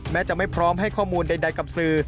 จะไม่พร้อมให้ข้อมูลใดกับสื่อ